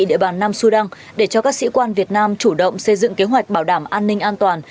địa bàn nam sudan để cho các sĩ quan việt nam chủ động xây dựng kế hoạch bảo đảm an ninh an toàn